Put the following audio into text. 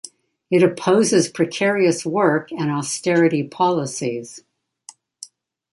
It opposes precarious work and austerity policies.